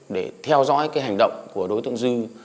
để theo dõi cái hành động của đối tượng dư